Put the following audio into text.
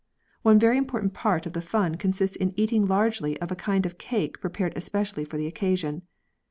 One very important part of the fun consists in eating largely of a kind of cake prepared especially for the occasion.